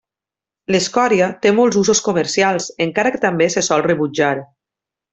L'escòria té molts usos comercials encara que també se sol rebutjar.